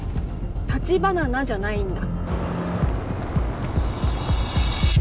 「たちバナナ」じゃないんだ。